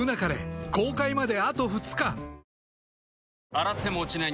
洗っても落ちない